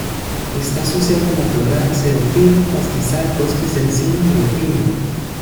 Está asociado a matorral xerófilo, pastizal, bosques de encino y de pino.